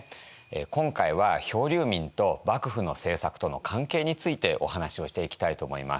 今回は漂流民と幕府の政策との関係についてお話をしていきたいと思います。